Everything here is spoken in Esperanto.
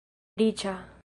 riĉa